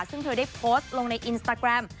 ซึ่งเธอได้โพสต์ลงในอินสตาแกรม